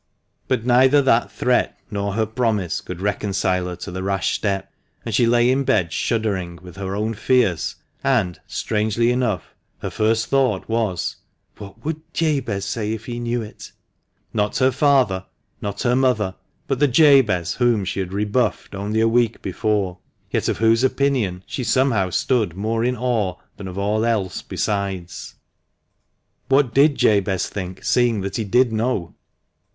But neither that threat nor her promise could reconcile her to the rash step, and she lay in bed shuddering with her own fears, THE MANCHESTER MAN. 349 and, strangely enough, her first thought was — "What would Jabez say if he knew it ?" Not her father, not her mother, but the Jabez whom she had rebuffed only a week before, yet of whose opinion she somehow slood more in awe than of all else besides. What did Jabez think, seeing that he did know